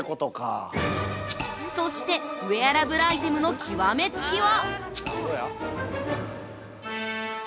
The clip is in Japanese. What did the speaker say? ◆そして、ウェアラブルアイテムの極め付きは◆